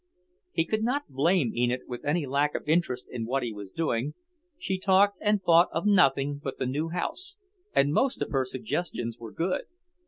He could not blame Enid with any lack of interest in what he was doing. She talked and thought of nothing but the new house, and most of her suggestions were good.